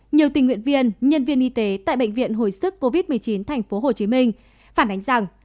nhiều tình nguyện viên nhân viên y tế tại bệnh viện hồi sức covid một mươi chín tp hcm phản ánh rằng